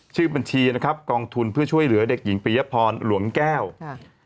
ชื่อบัญชีนะครับกองทุนเพื่อช่วยเหลือเด็กหญิงปียพรหลวงแก้วค่ะ